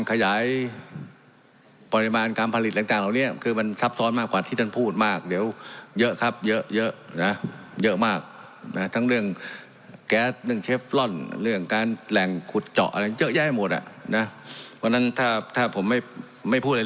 คุดเจาะอะไรเยอะแยะให้หมดอ่ะนะเพราะฉะนั้นถ้าถ้าผมไม่ไม่พูดอะไร